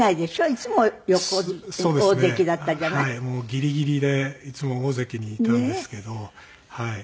ギリギリでいつも大関にいたんですけど。